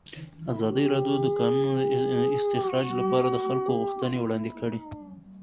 ازادي راډیو د د کانونو استخراج لپاره د خلکو غوښتنې وړاندې کړي.